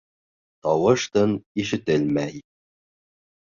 Тауыш-тын ишетелмәй.